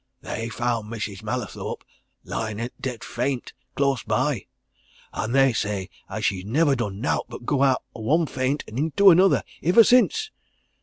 "They found Mrs. Mallathorpe, lyin' i' a dead faint close by! And they say 'at she's nivver done nowt but go out o' one faint into another, ivver since.